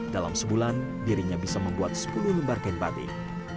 dalam sebulan dirinya bisa membuat sepuluh lembar kain batik